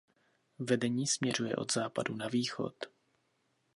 Vedení směřuje od západu na východ.